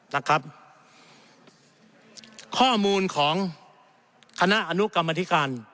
นะครับข้อมูลของคณะอนุกรรมธิการ